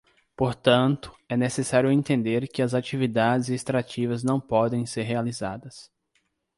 Portanto, é necessário entender que as atividades extrativas não podem ser realizadas.